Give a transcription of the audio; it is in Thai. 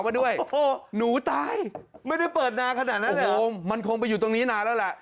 มาด้วยโอ้โหหนูตายไม่ได้เปิดนานขนาดนั้นมันคงไปอยู่ตรงนี้นานแล้วแหละ